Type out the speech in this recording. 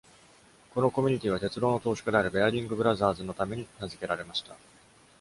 このコミュニティーは鉄道の投資家であるベアリング・ブラザーズ (Baring Brothers & Co) のために名付けられました。